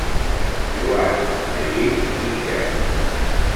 Joan, Magí i Miquel.